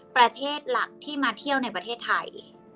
ประเทศหลักที่มาเที่ยวในประเทศไทย